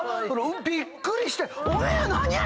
びっくりして。